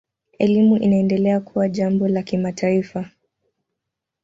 Elimu inaendelea kuwa jambo la kimataifa.